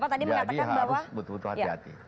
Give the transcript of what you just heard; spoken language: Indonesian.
jadi harus betul betul hati hati